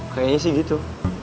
kayaknya sih gitu